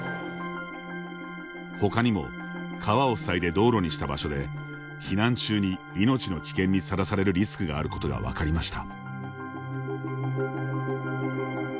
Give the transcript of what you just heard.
ほかにも川をふさいで道路にした場所で避難中に命の危険にさらされるリスクがあることが分かりました。